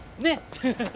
フフフフ。